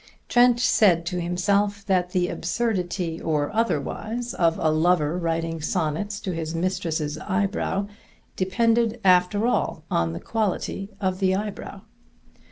Trent said to himself that the absurdity or otherwise of a lover writing sonnets to his mistress's eyebrow depended after all on the quality of the eyebrow.